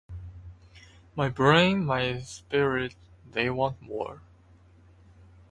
My brain, my spirit—they want more.